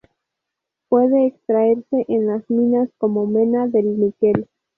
Puede extraerse en las minas como mena del níquel.